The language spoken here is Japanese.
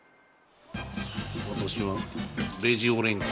わたしはレジオレンジ。